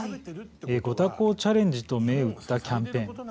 「ご炊こうチャレンジ」と銘打ったキャンペーン。